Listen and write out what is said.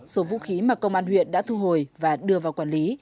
số vũ khí mà công an huyện đã thu hồi và đưa vào quản lý